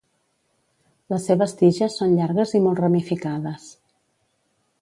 Les seves tiges són llargues i molt ramificades.